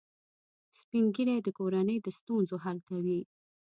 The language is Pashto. سپین ږیری د کورنۍ د ستونزو حل کوي